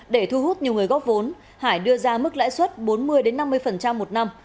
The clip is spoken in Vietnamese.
để thu hút nhiều người góp vốn hải đưa ra mức lãi suất bốn mươi năm mươi một năm